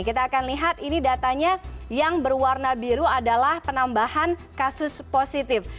kita akan lihat ini datanya yang berwarna biru adalah penambahan kasus positif